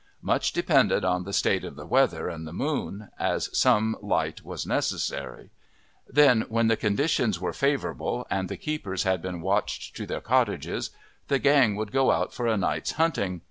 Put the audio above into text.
Much depended on the state of the weather and the moon, as some light was necessary; then, when the conditions were favourable and the keepers had been watched to their cottages, the gang would go out for a night's hunting.